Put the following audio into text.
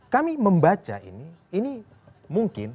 kami membaca ini mungkin